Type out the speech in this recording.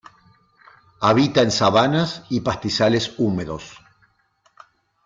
Habita en sabanas y pastizales húmedos.